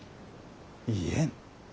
言えん？